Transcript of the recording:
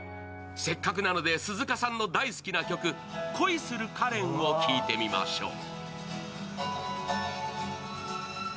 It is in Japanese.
せっかくなので、鈴鹿さんの大好きな曲、「恋するカレン」を聴いてみましょう。